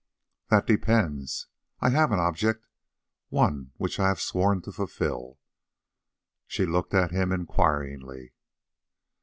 "That depends. I have an object, one which I have sworn to fulfil." She looked at him inquiringly.